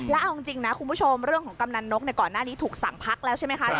แล้วเอาจริงนะคุณผู้ชมเรื่องของกำนันนกก่อนหน้านี้ถูกสั่งพักแล้วใช่ไหมคะ